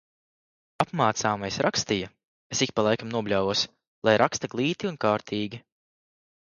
Apmācāmais rakstīja, es ik pa laikam nobļāvos, lai raksta glīti un kārtīgi.